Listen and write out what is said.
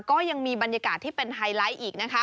ก็ยังมีบรรยากาศที่เป็นไฮไลท์อีกนะคะ